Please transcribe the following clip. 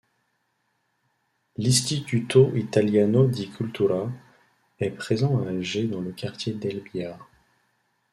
L'Istituto Italiano di Cultura est présent à Alger dans le quartier d'El Biar.